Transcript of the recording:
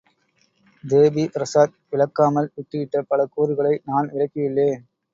தேபி பிரஸாத் விளக்காமல் விட்டுவிட்ட பல கூறுகளை நான் விளக்கியுள்ளேன்.